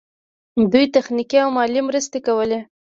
دوی تخنیکي او مالي مرستې کولې.